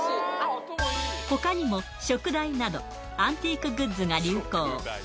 ほかにも、しょく台などアンティークグッズが流行。